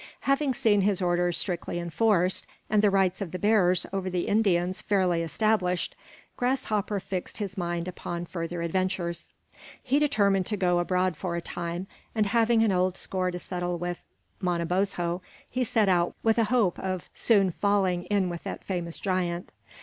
Having seen his orders strictly enforced and the rights of the bears over the Indians fairly established, Grasshopper fixed his mind upon further adventures. He determined to go abroad for a time, and having an old score to settle with Manabozho, he set out with a hope of soon falling in with that famous giant.